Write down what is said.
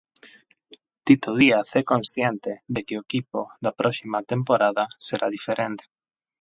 Tito Díaz é consciente de que o equipo da próxima temporada será diferente.